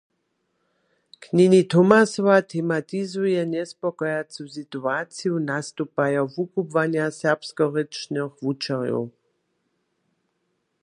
Knjeni Thomasowa tematizuje njespokojacu situaciju nastupajo wukubłanja serbskorěčnych wučerjow.